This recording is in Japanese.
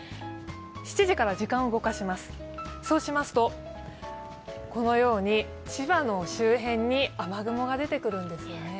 ７時から時間を動かしますと、このように千葉の周辺に雨雲が出てくるんですね。